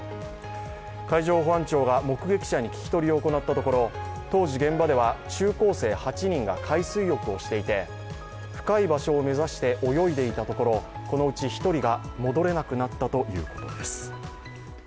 海上保安庁が目撃者に聞き取りを行ったところ、当時現場では中高生８人が海水浴をしていて、深い場所を目指して泳いでいたところ、このうち１人が戻れなくなったということです。